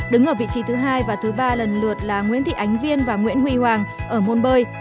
đứng ở vị trí thứ hai và thứ ba lần lượt là nguyễn thị ánh viên và nguyễn huy hoàng ở môn bơi